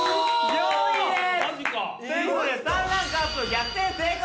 ４位です！という事で３ランクアップ逆転成功！